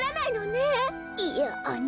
いやあの。